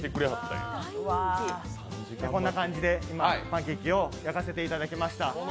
こんな感じでパンケーキを焼かせていただきました。